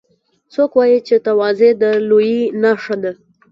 څوک وایي چې تواضع د لویۍ نښه ده